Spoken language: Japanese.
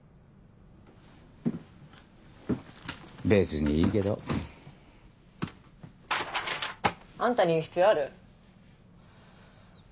別にいいけど。あんたに言う必要ある？